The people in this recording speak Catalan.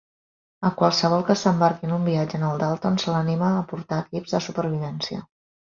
A qualsevol que s'embarqui en un viatge en el Dalton se l'anima a portar equips de supervivència.